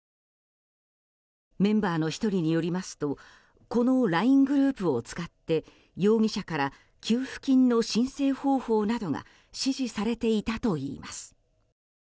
メンバーの１人によりますとこのＬＩＮＥグループを使って容疑者から給付金の申請方法などが指示されていたといいます。